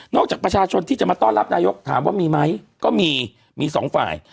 จากประชาชนที่จะมาต้อนรับนายกถามว่ามีไหมก็มีมีสองฝ่าย